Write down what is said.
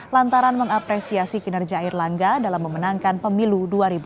lantaran mengapresiasi kinerja erlangga dalam memenangkan pemilu dua ribu dua puluh